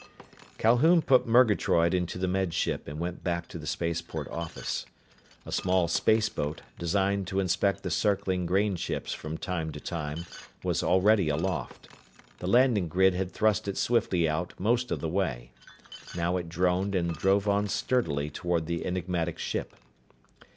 Calhoun put Murgatroyd into the Med Ship and went back to the spaceport office. A small spaceboat, designed to inspect the circling grain ships from time to time, was already aloft. The landing grid had thrust it swiftly out most of the way. Now it droned and drove on sturdily toward the enigmatic ship.